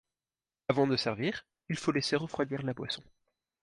Avant de servir, il faut laisser refroidir la boisson.